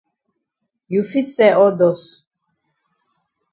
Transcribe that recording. You fit sell all dust.